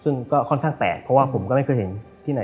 ซึ่งก็ค่อนข้างแปลกเพราะว่าผมก็ไม่เคยเห็นที่ไหน